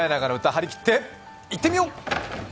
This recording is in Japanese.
張り切って行ってみよう。